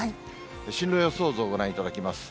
進路予想図をご覧いただきます。